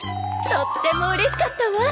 とってもうれしかったわ！」